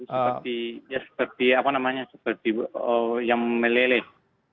seperti ya seperti apa namanya seperti yang meleleh